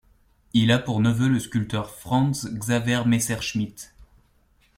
Il a pour neveu le sculpteur Franz Xaver Messerschmidt.